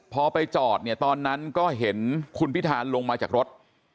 พอไปจอดเนี่ยตอนนั้นก็เห็นคุณพิธานลงมาจากรถ